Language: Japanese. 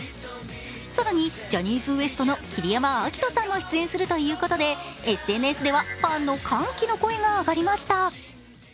更にジャニーズＷＥＳＴの桐山照史さんも出演するということでＳＮＳではファンの歓喜の声が上がりました。